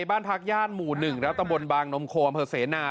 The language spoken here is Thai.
บ้านพักย่านหมู่หนึ่งรับตำบลบางนมโครมเสนา